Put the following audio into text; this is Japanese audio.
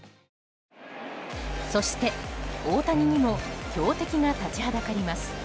そして、大谷にも強敵が立ちはだかります。